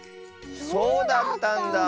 そうだったんだ。